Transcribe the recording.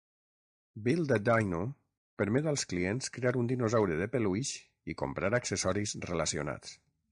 Build-A-Dino permet als clients crear un dinosaure de peluix i comprar accessoris relacionats.